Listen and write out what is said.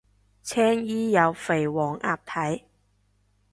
青衣有肥黃鴨睇